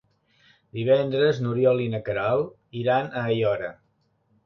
Divendres n'Oriol i na Queralt iran a Aiora.